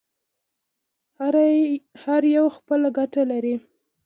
هر یو خپله ګټه لري.